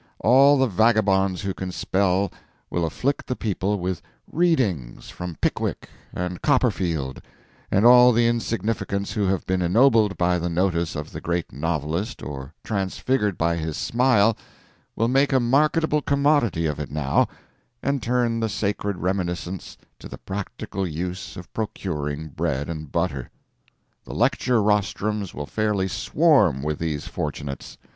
All the vagabonds who can spell will afflict the people with "readings" from Pickwick and Copperfield, and all the insignificants who have been ennobled by the notice of the great novelist or transfigured by his smile will make a marketable commodity of it now, and turn the sacred reminiscence to the practical use of procuring bread and butter. The lecture rostrums will fairly swarm with these fortunates.